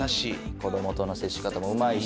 子供との接し方もうまいし。